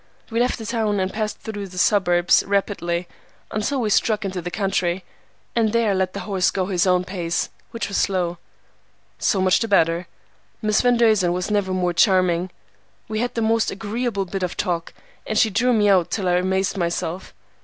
We left the town and passed through the suburbs rapidly, until we struck into the country, and there I let the horse go his own pace, which was slow. So much the better. Miss Van Duzen was never more charming. We had the most agreeable bit of talk, and she drew me out till I amazed myself.